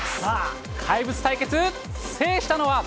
怪物対決、制したのは。